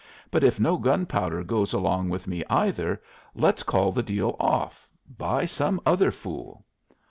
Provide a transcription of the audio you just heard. But if no gunpowder goes along with me, either, let's call the deal off. Buy some other fool."